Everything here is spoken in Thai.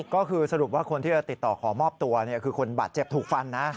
ก็คือสรุปว่าคนที่จะติดต่อขอมอบตัวคือคนบาดเจ็บถูกฟันนะ